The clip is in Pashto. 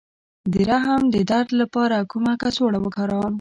د رحم د درد لپاره کومه کڅوړه وکاروم؟